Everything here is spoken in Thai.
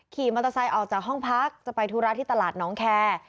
ขี่มอเตอร์ไซค์ออกจากห้องพักจะไปธุระที่ตลาดน้องแคร์